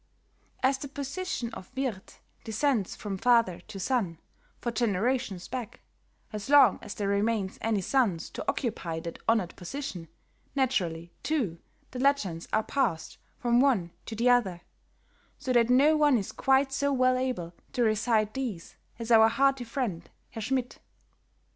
As the position of Wirthe descends from father to son, for generations back, as long as there remains any sons to occupy that honored position, naturally, too, the legends are passed from one to the other, so that no one is quite so well able to recite these as our hearty friend Herr Schmidt.